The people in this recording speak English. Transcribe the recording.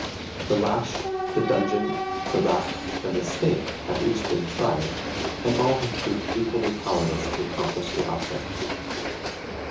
The lash, the dungeon, the rack, and the stake have each been tried, and all have proved equally powerless to accomplish the object.